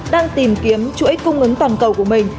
đang tìm kiếm chuỗi cung ứng toàn cầu của mình